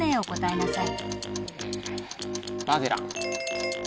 マゼラン。